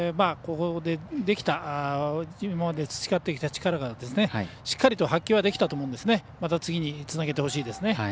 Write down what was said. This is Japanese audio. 今まで培ってきた力をしっかりと発揮できたと思うのでまた次につなげてほしいですね。